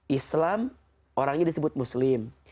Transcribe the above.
islam orangnya disebut muslim